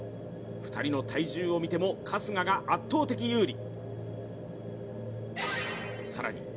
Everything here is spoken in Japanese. ２人の体重を見ても春日が圧倒的有利。